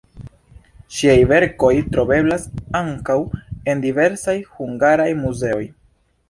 Ŝiaj verkoj troveblas ankaŭ en diversaj hungaraj muzeoj.